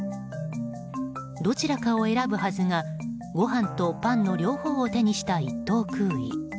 どちらかを選ぶはずがご飯とパンの両方を手にした１等空尉。